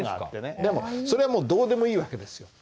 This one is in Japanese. でもそれはもうどうでもいい訳ですよ。